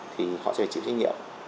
thì họ sẽ chịu trách nhiệm